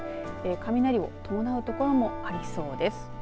雷を伴う所もありそうです。